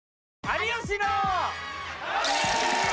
有吉の。